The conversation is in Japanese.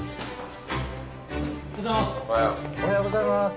おはようございます。